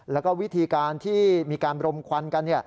แล้วก็วิธีการที่มีการรมควันกัน